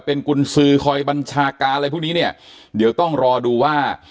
เป็นกุญสือคอยบัญชาการอะไรพวกนี้เนี่ยเดี๋ยวต้องรอดูว่า